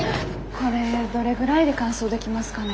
これどれぐらいで乾燥できますかね？